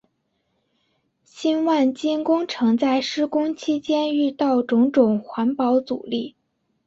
新万金工程在施工期间遇到重重环保阻力。